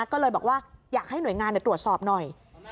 ก็เลยบอกว่าอยากให้หน่วยงานตรวจสอบหน่อย